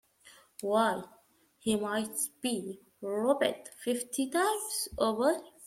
Why, he might be robbed fifty times over!